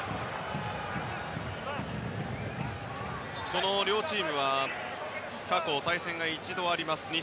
この両チームは過去、対戦が一度あります。